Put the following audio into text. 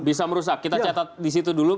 bisa merusak kita catat di situ dulu